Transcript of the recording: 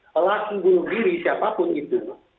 pelaku bunuh diri siapapun itu